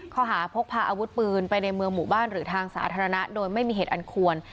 ข้อหาพกพาอาวุธปืนไปในเมืองหมู่บ้านหรือทางสาธารณะโดยไม่มีเหตุอันควร